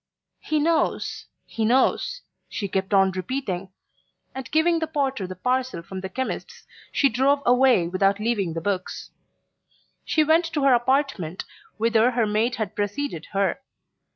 "He knows ... he knows..." she kept on repeating; and giving the porter the parcel from the chemist's she drove away without leaving the books. She went to her apartment, whither her maid had preceded her.